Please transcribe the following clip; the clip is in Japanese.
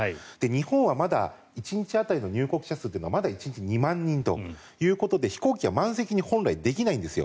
日本はまだ１日当たりの入国者数が１日２万人ということで飛行機はまだ満席に本来はできないんです。